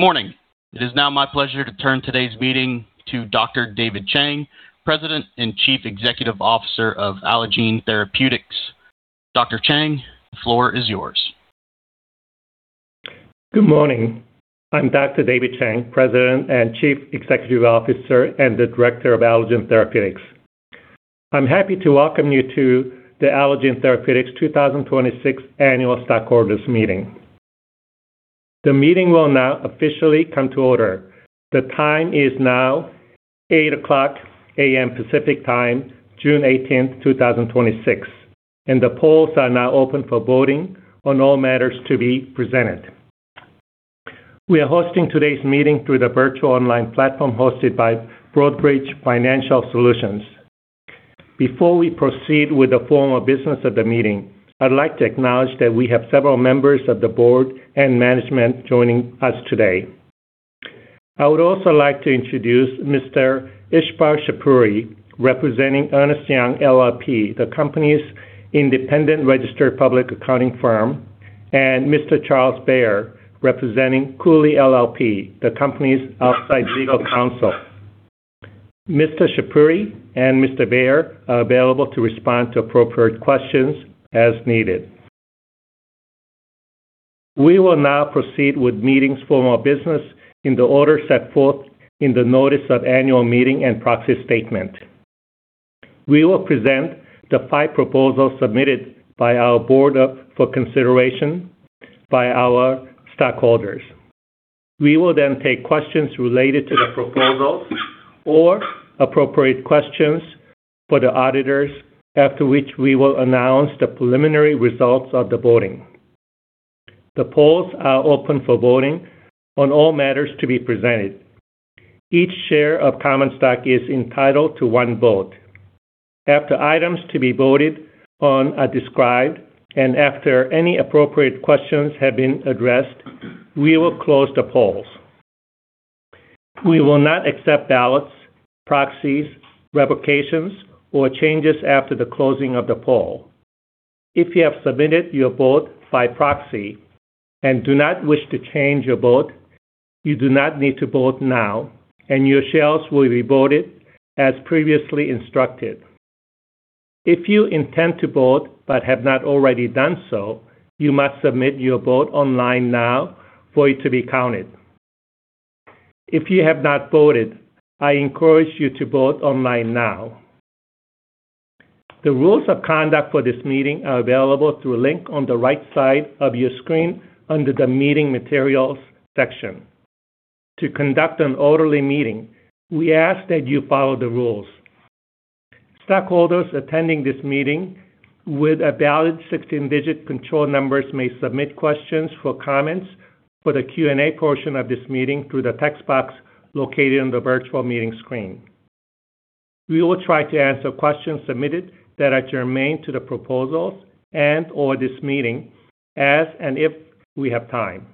Morning. It is now my pleasure to turn today's meeting to Dr. David Chang, President and Chief Executive Officer of Allogene Therapeutics. Dr. Chang, the floor is yours. Good morning. I'm Dr. David Chang, President and Chief Executive Officer, and the Director of Allogene Therapeutics. I'm happy to welcome you to the Allogene Therapeutics 2026 Annual Stockholders Meeting. The meeting will now officially come to order. The time is now 8:00 A.M. Pacific Time, June 18th, 2026, and the polls are now open for voting on all matters to be presented. We are hosting today's meeting through the virtual online platform hosted by Broadridge Financial Solutions. Before we proceed with the formal business of the meeting, I'd like to acknowledge that we have several members of the Board and management joining us today. I would also like to introduce Mr. Ishpal Shapury, representing Ernst & Young LLP, the company's independent registered public accounting firm, and Mr. Charles Bair, representing Cooley LLP, the company's outside legal counsel. Mr. Shapury and Mr. Bayer are available to respond to appropriate questions as needed. We will now proceed with the meeting's formal business in the order set forth in the notice of annual meeting and proxy statement. We will present the five proposals submitted by our Board up for consideration by our stockholders. We will then take questions related to the proposals or appropriate questions for the auditors, after which we will announce the preliminary results of the voting. The polls are open for voting on all matters to be presented. Each share of common stock is entitled to one vote. After items to be voted on are described, and after any appropriate questions have been addressed, we will close the polls. We will not accept ballots, proxies, revocations, or changes after the closing of the poll. If you have submitted your vote by proxy and do not wish to change your vote, you do not need to vote now, and your shares will be voted as previously instructed. If you intend to vote but have not already done so, you must submit your vote online now for it to be counted. If you have not voted, I encourage you to vote online now. The rules of conduct for this meeting are available through a link on the right side of your screen under the meeting materials section. To conduct an orderly meeting, we ask that you follow the rules. Stockholders attending this meeting with a valid 16-digit control numbers may submit questions for comments for the Q&A portion of this meeting through the text box located on the virtual meeting screen. We will try to answer questions submitted that are germane to the proposals and/or this meeting as and if we have time.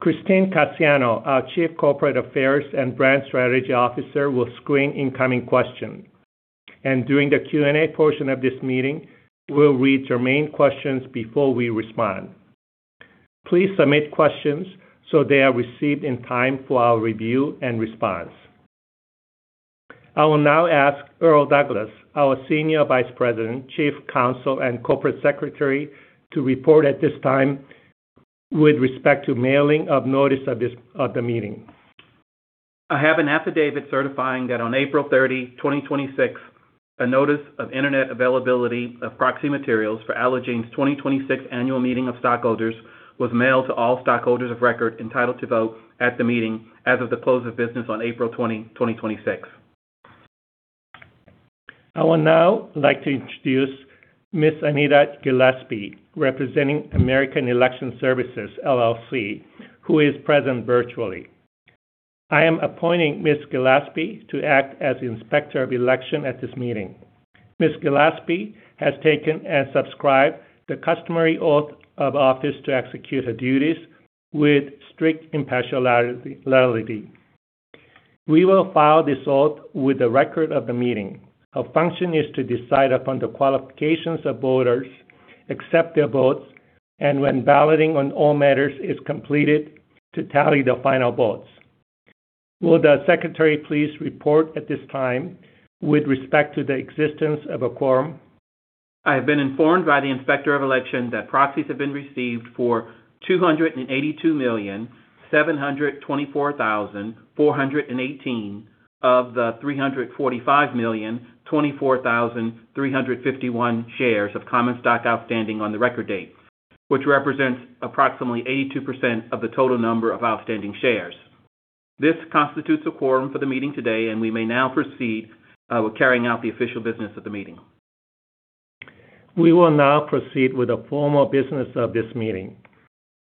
Christine Cassiano, our Chief Corporate Affairs and Brand Strategy Officer, will screen incoming questions, and during the Q&A portion of this meeting, we'll read germane questions before we respond. Please submit questions so they are received in time for our review and response. I will now ask Earl Douglas, our Senior Vice President, Chief Counsel, and Corporate Secretary, to report at this time with respect to mailing of notice of the meeting. I have an affidavit certifying that on April 30, 2026, a notice of internet availability of proxy materials for Allogene's 2026 Annual Meeting of Stockholders was mailed to all stockholders of record entitled to vote at the meeting as of the close of business on April 20, 2026. I would now like to introduce Ms. Anita Gillespie, representing American Election Services, LLC, who is present virtually. I am appointing Ms. Gillespie to act as Inspector of Election at this meeting. Ms. Gillespie has taken and subscribed the customary oath of office to execute her duties with strict impartiality. We will file this oath with the record of the meeting. Her function is to decide upon the qualifications of voters, accept their votes, and when balloting on all matters is completed, to tally the final votes. Will the secretary please report at this time with respect to the existence of a quorum? I have been informed by the Inspector of Election that proxies have been received for 282,724,418 of the 345,024,351 shares of common stock outstanding on the record date, which represents approximately 82% of the total number of outstanding shares. This constitutes a quorum for the meeting today, and we may now proceed with carrying out the official business of the meeting. We will now proceed with the formal business of this meeting.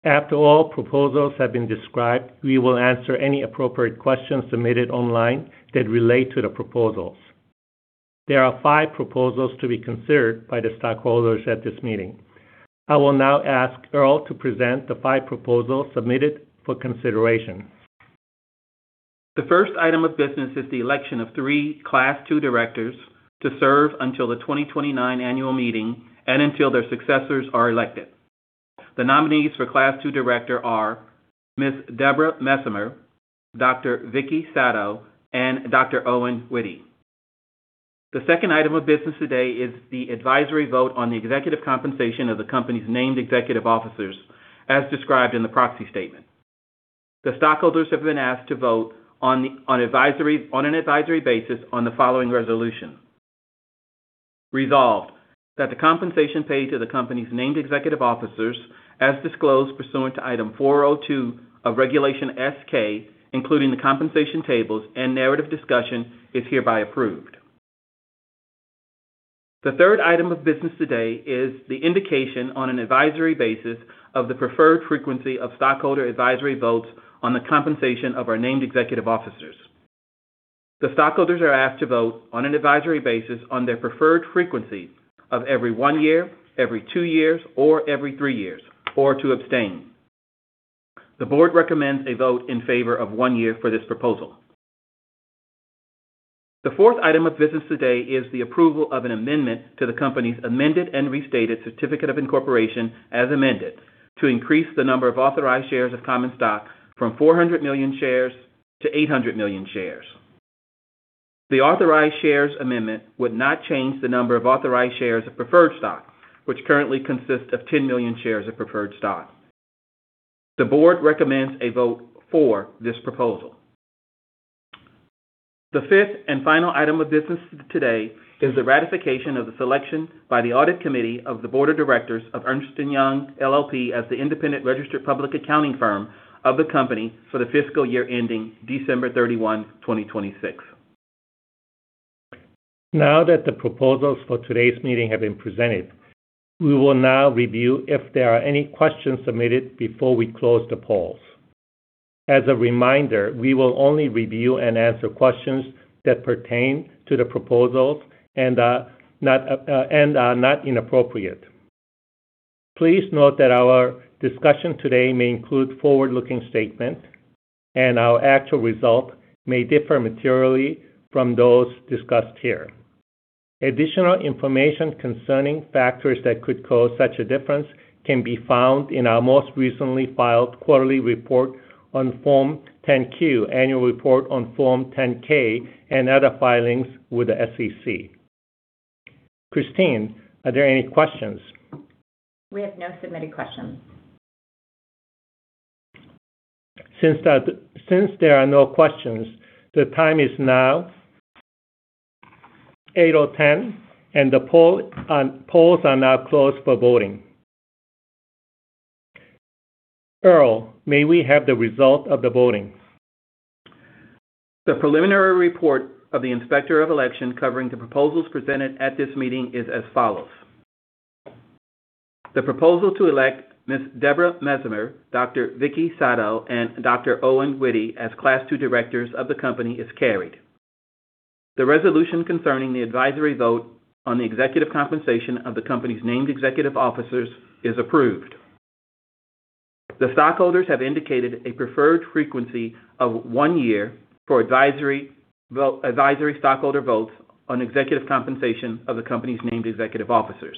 After all proposals have been described, we will answer any appropriate questions submitted online that relate to the proposals. There are five proposals to be considered by the stockholders at this meeting. I will now ask Earl to present the five proposals submitted for consideration The first item of business is the election of three Class II Directors to serve until the 2029 Annual Meeting and until their successors are elected. The nominees for Class II Director are Ms. Deborah Messemer, Dr. Vicki Sato, and Dr. Owen Witte. The second item of business today is the advisory vote on the executive compensation of the company's named Executive officers, as described in the proxy statement. The stockholders have been asked to vote on an advisory basis on the following resolution. Resolved, that the compensation paid to the company's named Executive officers, as disclosed pursuant to Item 402 of Regulation S-K, including the compensation tables and narrative discussion, is hereby approved. The third item of business today is the indication on an advisory basis of the preferred frequency of stockholder advisory votes on the compensation of our named executive officers. The stockholders are asked to vote on an advisory basis on their preferred frequency of every one year, every two years, or every three years, or to abstain. The Board recommends a vote in favor of one year for this proposal. The fourth item of business today is the approval of an amendment to the company's Amended and Restated Certificate of Incorporation as amended, to increase the number of authorized shares of common stock from 400 million shares to 800 million shares. The authorized shares amendment would not change the number of authorized shares of preferred stock, which currently consists of 10 million shares of preferred stock. The Board recommends a vote for this proposal. The fifth and final item of business today is the ratification of the selection by the Audit Committee of the Board of Directors of Ernst & Young LLP as the independent registered public accounting firm of the company for the fiscal year ending December 31, 2026. Now that the proposals for today's meeting have been presented, we will now review if there are any questions submitted before we close the polls. As a reminder, we will only review and answer questions that pertain to the proposals and are not inappropriate. Please note that our discussion today may include forward-looking statements, and our actual results may differ materially from those discussed here. Additional information concerning factors that could cause such a difference can be found in our most recently filed quarterly report on Form 10-Q, annual report on Form 10-K, and other filings with the SEC. Christine, are there any questions? We have no submitted questions. The time is now 8:10 A.M., and the polls are now closed for voting. Earl, may we have the result of the voting? The preliminary report of the Inspector of Election covering the proposals presented at this meeting is as follows. The proposal to elect Ms. Deborah Messemer, Dr. Vicki Sato, and Dr. Owen Witte as Class II Directors of the company is carried. The resolution concerning the advisory vote on the executive compensation of the company's named Executive officers is approved. The stockholders have indicated a preferred frequency of one year for advisory stockholder votes on executive compensation of the company's named executive officers.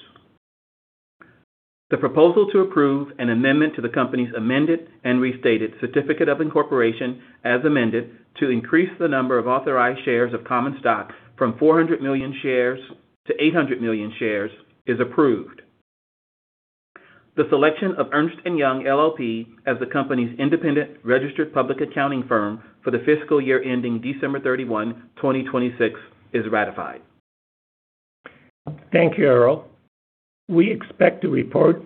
The proposal to approve an amendment to the company's amended and restated certificate of incorporation, as amended, to increase the number of authorized shares of common stock from 400 million shares to 800 million shares is approved. The selection of Ernst & Young LLP as the company's independent registered public accounting firm for the fiscal year ending December 31, 2026 is ratified. Thank you, Earl. We expect to report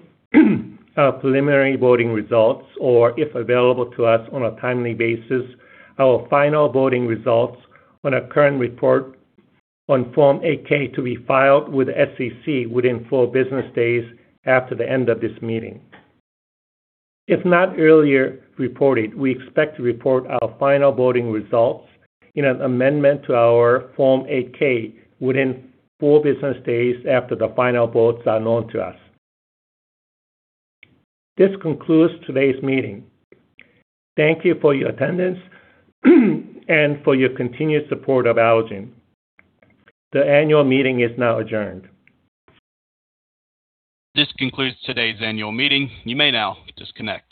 our preliminary voting results, or if available to us on a timely basis, our final voting results on a current report on Form 8-K to be filed with the SEC within four business days after the end of this meeting. If not earlier reported, we expect to report our final voting results in an amendment to our Form 8-K within four business days after the final votes are known to us. This concludes today's meeting. Thank you for your attendance and for your continued support of Allogene. The Annual Meeting is now adjourned. This concludes today's Annual Meeting. You may now disconnect.